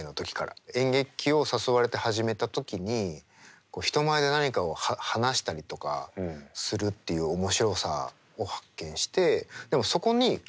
演劇を誘われて始めた時に人前で何かを話したりとかするっていう面白さを発見してでもそこに共通項が別になかったんです